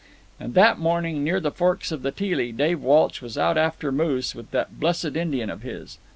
And that morning, near the forks of the Teelee, Dave Walsh was out after moose with that blessed Indian of his.